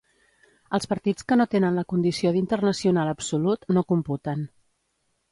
Els partits que no tenen la condició d'internacional absolut, no computen.